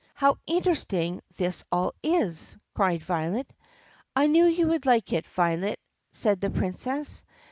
"How interesting this all is!" cried Violet. "I knew you would like it, Violet," said the Princess.